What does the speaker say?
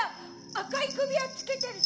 赤い首輪つけてるぞ。